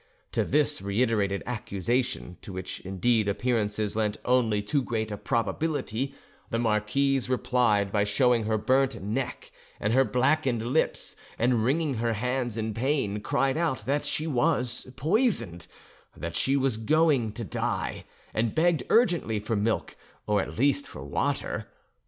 To this reiterated accusation—to which, indeed, appearances lent only too great a probability—the marquise replied by showing her burnt neck and her blackened lips, and wringing her hands in pain, cried out that she was poisoned, that she was going to die, and begged urgently for milk, or at least for water.